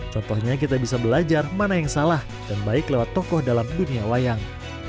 contohnya kita bisa belajar mana yang salah dan baik lewat tokoh dalam dunia wayang